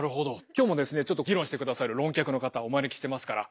今日もですねちょっと議論してくださる論客の方お招きしてますから。